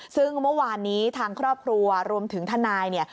ซึ่งเมื่อวานนี้ทางครอบครัวรวมถึงทนายเนี่ย